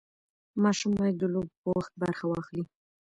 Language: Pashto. ماشوم باید د لوبو په وخت برخه واخلي.